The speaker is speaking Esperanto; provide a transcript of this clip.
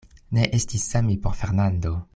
Ne estis same por Fernando.